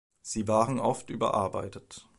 Sie waren oft überarbeitet.